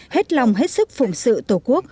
hết lòng hết sức phụng sự tổ quốc